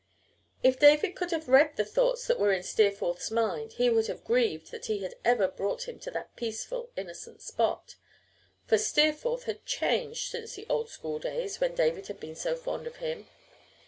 If David could have read the thoughts that were in Steerforth's mind he would have grieved that he had ever brought him to that peaceful, innocent spot. For Steerforth had changed since the old school days when David had been so fond of him.